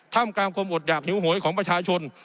ทำการควบอดอยากหิวหวยของประชาชน